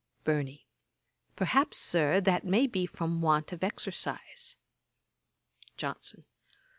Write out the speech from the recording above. BURNEY. 'Perhaps, Sir, that may be from want of exercise.' JOHNSON.